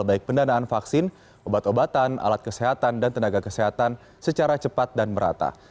baik pendanaan vaksin obat obatan alat kesehatan dan tenaga kesehatan secara cepat dan merata